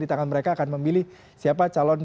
di tangan mereka akan memilih siapa calon